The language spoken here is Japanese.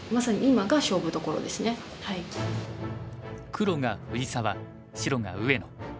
黒が藤沢白が上野。